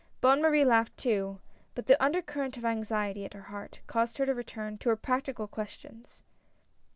Bonne Marie laughed too, but the under current of anxiety at her heart, caused her to return to her practical ques tions.